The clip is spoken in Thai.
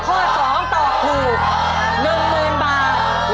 ข้อ๒ตอบถูก๑๐๐๐บาท